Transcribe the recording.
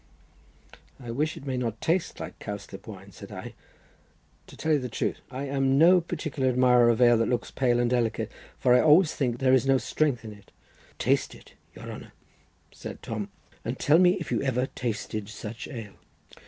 "I wish it may not taste like cowslip wine," said I; "to tell you the truth, I am no particular admirer of ale that looks pale and delicate; for I always think there is no strength in it." "Taste it, your honour," said Tom, "and tell me if you ever tasted such ale."